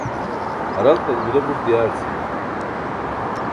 haraltan juda buṭan diyaarcimi